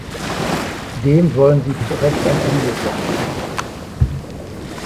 Dem wollen Sie zu Recht ein Ende setzen.